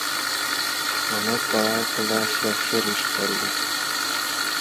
A nagy találkozásra sor is került.